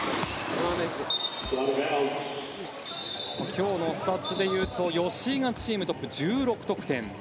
今日のスタッツでいうと吉井がチームトップ、１６得点。